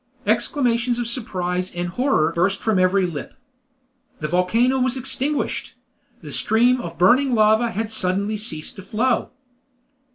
Exclamations of surprise and horror burst from every lip. The volcano was extinguished! The stream of burning lava had suddenly ceased to flow!